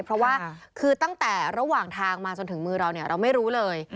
เพราะว่าคือตั้งแต่ระหว่างทางมาจนถึงมือเราเนี่ยเราไม่รู้เลย